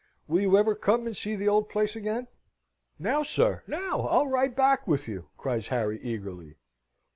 Will you ever come and see the old place again?" "Now, sir, now! I'll ride back with you!" cries Harry, eagerly.